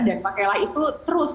dan pakailah itu terus